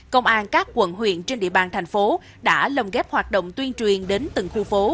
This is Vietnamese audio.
công an các quận huyện trên địa bàn thành phố đã lồng ghép hoạt động tuyên truyền đến từng khu phố